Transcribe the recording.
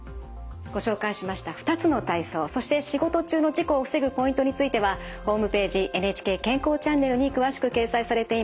ご紹介しました２つの体操そして仕事中の事故を防ぐポイントについてはホームページ「ＮＨＫ健康チャンネル」に詳しく掲載されています。